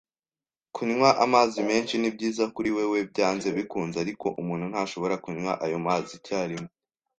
Kunywa amazi menshi nibyiza kuri wewe, byanze bikunze, ariko umuntu ntashobora kunywa ayo mazi icyarimwe.